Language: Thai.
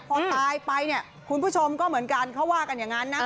พอตายไปเนี่ยคุณผู้ชมก็เหมือนกันเขาว่ากันอย่างนั้นนะ